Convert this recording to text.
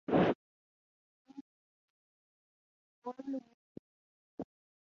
The main centre is Leulumoega.